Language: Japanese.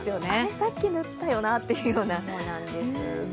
さっき塗ったようなっていうような。